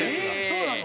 そうなの？